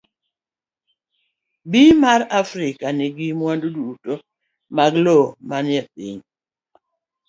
B. mar Afrika nigi mwandu duto mag lowo manie piny.